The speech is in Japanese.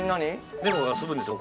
猫が遊ぶんですよ